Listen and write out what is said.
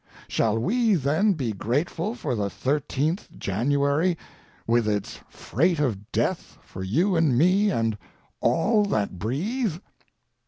Shall we, then, be grateful for the 13th January, with its freight of death for you and me and all that breathe?